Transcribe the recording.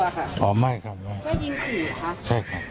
จริงเราตั้งใจถึงท่านที่จะทำให้เขาเสียชีวิตไหมเขากลัวค่ะ